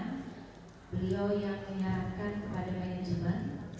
karena beliau yang menyarankan kepada manajemen